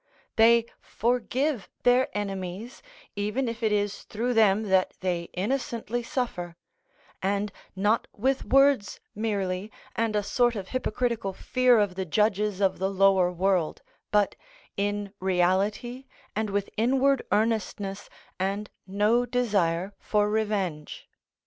They forgive their enemies, even if it is through them that they innocently suffer; and not with words merely and a sort of hypocritical fear of the judges of the lower world, but in reality and with inward earnestness and no desire for revenge.